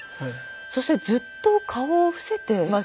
そしてずっと顔を伏せていますね。